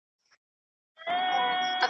چاچي د جهاني صاحب ورکه مېنه لوستې وي .